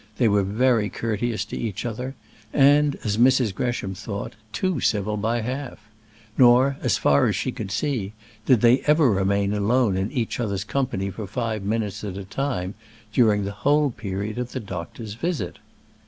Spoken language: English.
They were very courteous to each other, and, as Mrs. Gresham thought, too civil by half; nor, as far as she could see, did they ever remain alone in each other's company for five minutes at a time during the whole period of the doctor's visit.